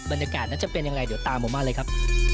บรรยากาศนั้นจะเป็นยังไงเดี๋ยวตามผมมาเลยครับ